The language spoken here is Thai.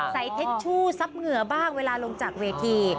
ใส่เทชูซับเหงือบ้างเวลาลงจากเวที